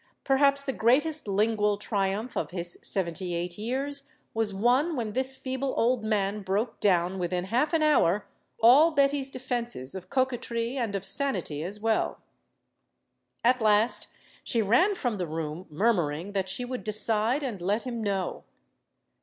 Perhaps the greatest lingual triumph of his seventy eight years was won when this feeble old man broke down within half an hour all Betty's defenses of coquetry and of sanity as well. At last she ran from the room, murmuring that she would "decide and let him know."